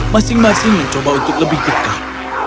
masing masing mencoba untuk lebih dekat